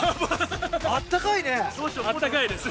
あったかいです。